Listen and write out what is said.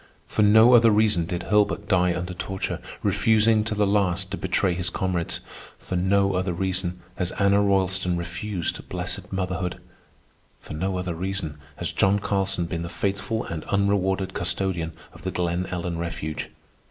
For no other reason did Hurlbert die under torture, refusing to the last to betray his comrades. For no other reason has Anna Roylston refused blessed motherhood. For no other reason has John Carlson been the faithful and unrewarded custodian of the Glen Ellen Refuge.